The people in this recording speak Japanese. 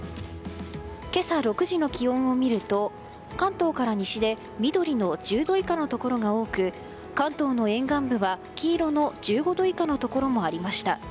今朝６時の気温を見ると関東から西で緑の１０度以下のところが多く関東の沿岸部は黄色の１５度以下のところもありました。